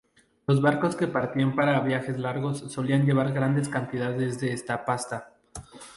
Los barcos que partían para viajes largos solían llevar grandes cantidades de esta pasta.